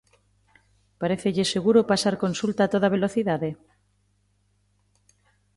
¿Parécelle seguro pasar consulta a toda velocidade?